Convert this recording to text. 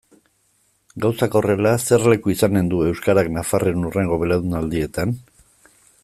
Gauzak horrela, zer leku izanen du euskarak nafarren hurrengo belaunaldietan?